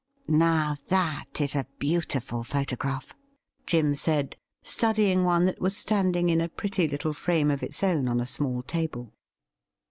' Now, that is a beautiful photograph,' Jim said, study ing one that was standing in a pretty little frame of its own on a small table.